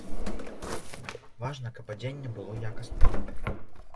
Важна, каб адзенне было якасным.